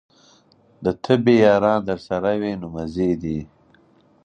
د طبې یاران درسره وي نو مزې دي.